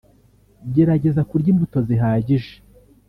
gerageza kurya imbuto zihagije